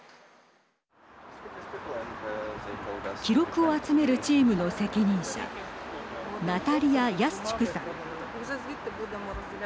記録を集めるチームの責任者ナタリヤ・ヤスチュクさん。